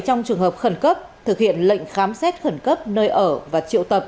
trong trường hợp khẩn cấp thực hiện lệnh khám xét khẩn cấp nơi ở và triệu tập